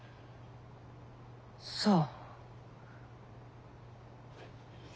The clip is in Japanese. そう。